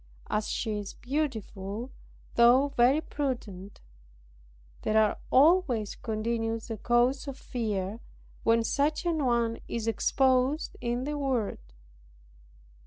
As she is beautiful, though very prudent, there always continues a cause for fear, when such an one is exposed in the world.